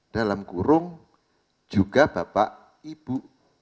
dalam kurung juga bapak ibu